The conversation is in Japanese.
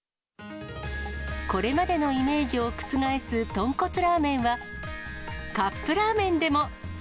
これまでのイメージを覆す豚骨ラーメンは、カップラーメンでも。